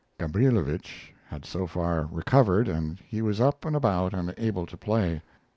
Gabrilowitsch had so far recovered that he was up and about and able to play.